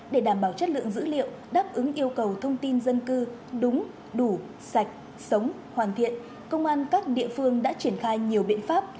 để đảm bảo chất lượng dữ liệu đáp ứng yêu cầu thông tin dân cư đúng đủ sạch sống hoàn thiện công an các địa phương đã triển khai nhiều biện pháp